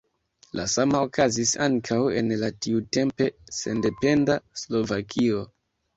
La sama okazis ankaŭ en la tiutempe sendependa Slovakio.